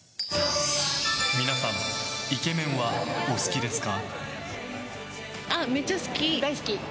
皆さんイケメンはお好きですか？